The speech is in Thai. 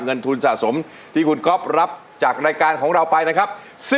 เงินทุนสะสมที่คุณก๊อฟรับจากรายการของเราไปนะครับ